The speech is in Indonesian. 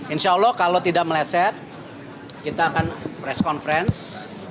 insya allah kalau tidak meleset kita akan press conference